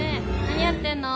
何やってんの？